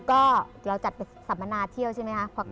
ก็เราจัดไปสัมมนาเที่ยวใช่ไหมคะ